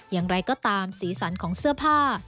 อย่างไรก็ตามสีสันของเสื้อผ้า